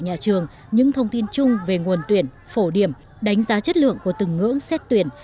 nhà trường những thông tin chung về nguồn tuyển phổ điểm đánh giá chất lượng của từng ngưỡng xét tuyển